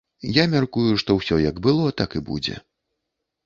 Я мяркую, што ўсё як было, так і будзе.